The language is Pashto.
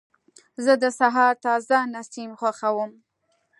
زه د سهار تازه نسیم خوښوم.